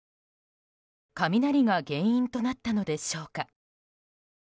雷が原因となったのでしょうか。